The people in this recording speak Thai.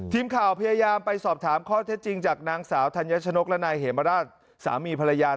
ทีมข่าวพยายามไปสอบถามข้อเท็จจริงจากนางสาวธัญชนกและนายเหมราชสามีภรรยา